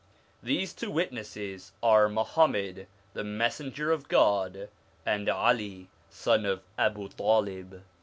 These two witnesses are Muhammad the Messenger of God, and 'Ali, son of Abu Talib.